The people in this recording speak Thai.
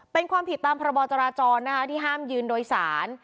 เป็นความผิดตามพรบจราจรนะคะที่ห้ามยืนโดยสาร